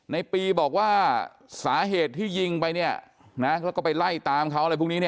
ในปีบอกว่าสาเหตุที่ยิงไปแล้วก็ไปไล่ตามเขา